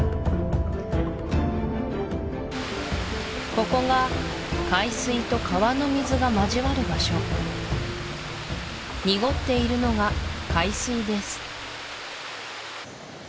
ここが海水と川の水が交わる場所濁っているのが海水です